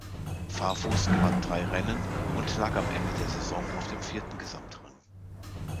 Farfus gewann drei Rennen und lag am Ende der Saison auf dem vierten Gesamtrang.